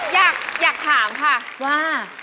อยากถามค่ะว่า